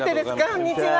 こんにちは。